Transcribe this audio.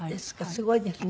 すごいですね。